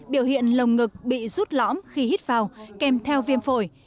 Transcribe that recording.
biểu hiện lồng ngực bị rút lõm khi hít vào kèm theo viêm phổi